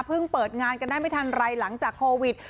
เปิดงานกันได้ไม่ทันไรหลังจากโควิด